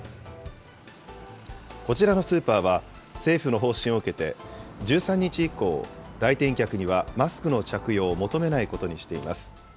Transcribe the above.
こちらのスーパーは、政府の方針を受けて、１３日以降、来店客にはマスクの着用を求めないことにしています。